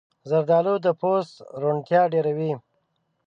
زردالو د پوست روڼتیا ډېروي.